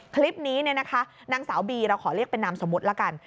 คลิปนี้นางสาวบีเราขอเรียกเป็นนามสมุดแล้วกัน